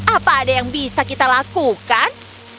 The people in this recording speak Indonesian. apa ada yang bisa kita lakukan